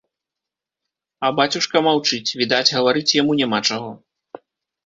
А бацюшка маўчыць, відаць, гаварыць яму няма чаго.